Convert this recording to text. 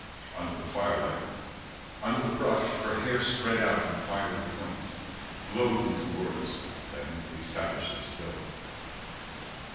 Under the firelight, under the brush, her hair Spread out in fiery points Glowed into words, then would be savagely still.